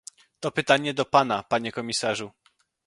To pytanie do pana, panie komisarzu